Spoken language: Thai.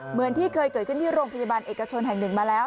เหมือนที่เคยเกิดขึ้นที่โรงพยาบาลเอกชนแห่งหนึ่งมาแล้ว